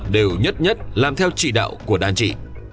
đều nhất nhất làm theo chỉ đạo của đàn chỉ